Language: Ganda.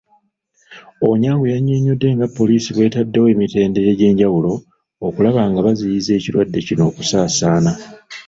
Onyango yannyonnyodde nga poliisi bw'etadddewo emitendera egy'enjawulo okulaba nga baziyiza ekirwadde kino okusaasaana.